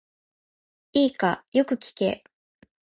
いいか、よく聞け。